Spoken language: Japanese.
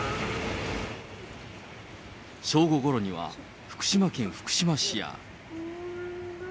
正午ごろには福島県福島市や。